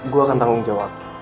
gue akan tanggung jawab